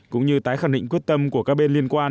cũng như tái khẳng định quyết tâm của các bên liên quan